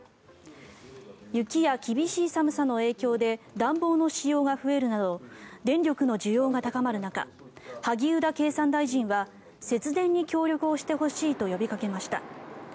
雪や厳しい寒さの影響で暖房の使用が増えるなど電力の需要が高まるなど萩生田経産大臣は節電に協力をしてほしいと呼びかけました。